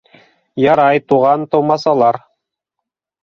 — Ярай, туған-тыумасалар.